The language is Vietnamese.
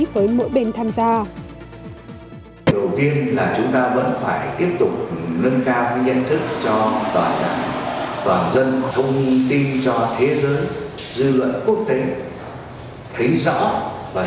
với mỗi bên tham gia